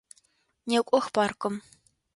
Некӏох паркым!